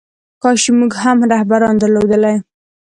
کاش چې موږ ښه رهبران درلودلی.